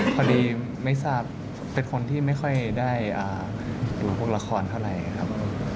พอดีไม่ทราบเป็นคนที่ไม่ค่อยได้ดูทุกละครเท่าไรครับ